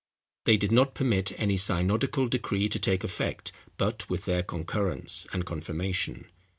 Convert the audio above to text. They did not permit any synodical decree to take effect, but with their concurrence, and confirmation.